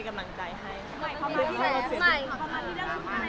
ข้อมูลที่เขียนจริงคืออะไร